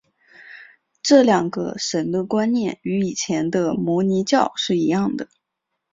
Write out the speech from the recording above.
这两个神的观念与以前的摩尼教是一样的。